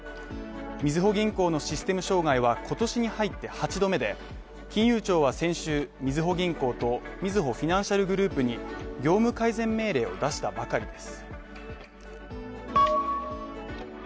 みずほ銀行のシステム障害は今年に入って８度目で、金融庁は先週みずほ銀行とみずほフィナンシャルグループに業務改善命令を出したばかりです。